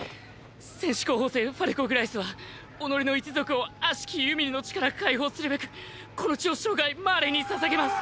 戦士候補生ファルコ・グライスは己の一族を悪しきユミルの血から解放するべくこの血を生涯マーレに捧げます。